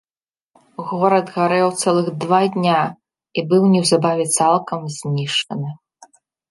Горад гарэў цэлых два дня і быў неўзабаве цалкам знішчаны.